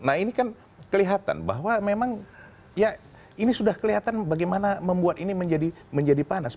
nah ini kan kelihatan bahwa memang ya ini sudah kelihatan bagaimana membuat ini menjadi panas